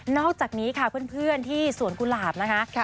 อกจากนี้ค่ะเพื่อนที่สวนกุหลาบนะคะ